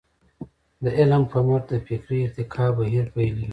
د علم په مټ د فکري ارتقاء بهير پيلېږي.